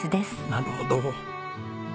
なるほど。